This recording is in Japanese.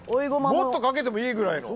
もっとかけてもいいぐらいの。